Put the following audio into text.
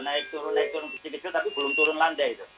naik turun naik turun kecil kecil tapi belum turun landai itu